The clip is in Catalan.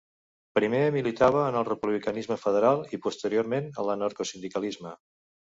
Primer militava en el republicanisme federal i posteriorment a l'anarcosindicalisme.